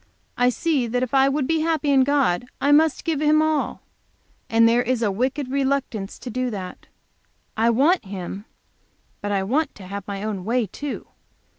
I see that if I would be happy in God, I must give Him all. And there is a wicked reluctance to do that. I want Him but I want to have my own way, too.